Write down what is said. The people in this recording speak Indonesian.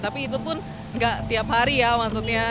tapi itu pun nggak tiap hari ya maksudnya